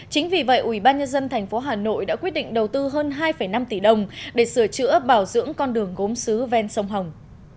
chính vì vậy ủy ban nhân dân tp hà nội đã quyết định đầu tư hơn hai năm tỷ đồng để sửa chữa bảo dưỡng con đường gốm xứ ven sông hồng